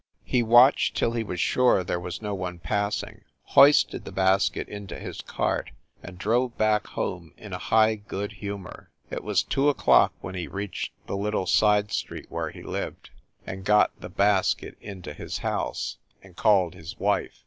He watched till he was sure there was no one passing, hoisted the basket into his cart and drove back home in a high good humor. It was two o clock when he reached the little side street where he lived, and got the basket into his house, THE NORCROSS APARTMENTS 287 and called his wife.